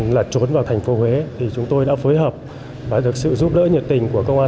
lật trốn vào thành phố huế thì chúng tôi đã phối hợp và được sự giúp đỡ nhiệt tình của công an